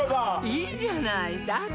いいじゃないだって